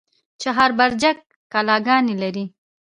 چهار برجک کلاګانې لري؟